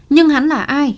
nhưng hắn là ai